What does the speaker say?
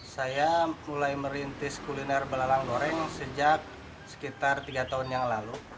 saya mulai merintis kuliner belalang goreng sejak sekitar tiga tahun yang lalu